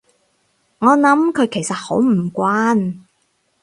我諗佢實係好唔慣